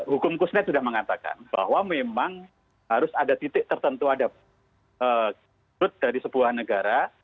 hukum kusnet sudah mengatakan bahwa memang harus ada titik tertentu ada grup dari sebuah negara